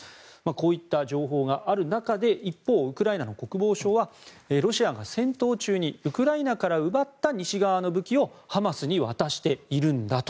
こういった情報がある中で一方、ウクライナの国防省はロシアが戦闘中にウクライナから奪った西側の武器をハマスに渡しているんだと。